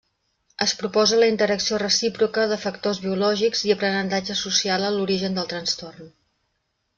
Es proposa la interacció recíproca de factors biològics i aprenentatge social en l'origen del trastorn.